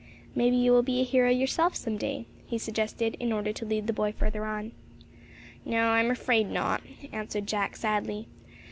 "May be you will be a hero yourself, some day," he suggested in order to lead the boy further on. "No, I'm afraid not," answered Jack, sadly.